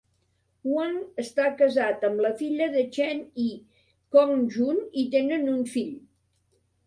Wang està casat amb la filla de Chen Yi, Cong Jun, i tenen un fill.